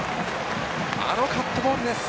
あのカットボールです！